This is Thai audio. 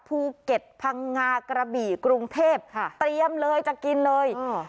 ภูเก็ตพังงากระบี่กรุงเทพค่ะเตรียมเลยจะกินเลยอ่า